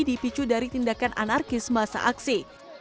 dipicu dari tindakan anarkis masa aksi